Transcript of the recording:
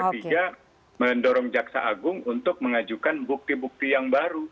ketiga mendorong jaksa agung untuk mengajukan bukti bukti yang baru